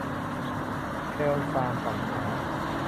เลวทรามต่ำช้า